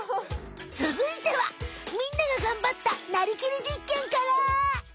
つづいてはみんなが頑張ったなりきりじっけんから！